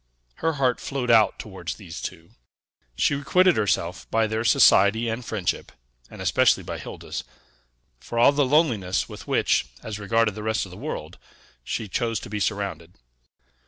Her heart flowed out towards these two; she requited herself by their society and friendship (and especially by Hilda's) for all the loneliness with which, as regarded the rest of the world, she chose to be surrounded.